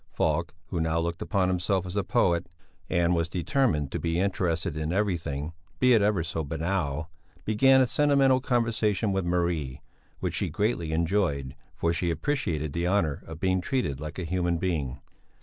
Falk, who now looked upon himself as a poet and was determined to be interested in everything be it ever so banal began a sentimental conversation with Marie, which she greatly enjoyed, for she appreciated the honour of being treated like a human being.